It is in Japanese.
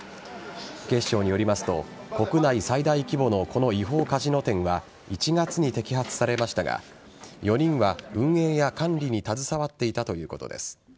警視庁によりますと国内最大規模のこの違法カジノ店は１月に摘発されましたが４人は運営や管理に携わっていたということです。